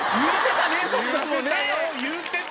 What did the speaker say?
言うてたね